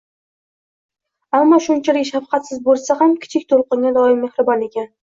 Ammo shunchalik shafqatsiz bo‘lsa ham, Kichik to‘lqinga doim mehribon ekan